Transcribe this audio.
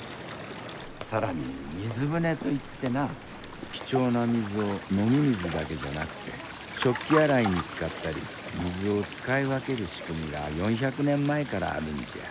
更に水舟といってな貴重な水を飲み水だけじゃなくて食器洗いに使ったり水を使い分ける仕組みが４００年前からあるんじゃ。